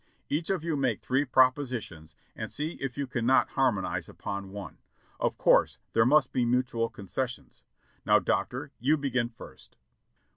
Each of you make three propositions and see if you cannot har monize upon one. Of course there must be mutual concessions. Now, Doctor, you begin first."